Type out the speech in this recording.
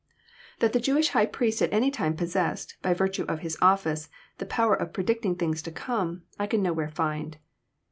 That the Jewish high priest at any time possessed, by virtue of his office, the power of predicting things to come, I can no where find.